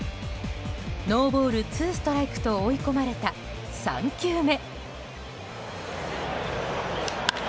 ノーボールツーストライクと追い込まれた３球目。